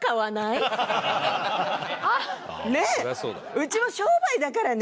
うちも商売だからね！